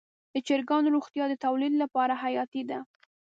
د چرګانو روغتیا د تولید لپاره حیاتي ده.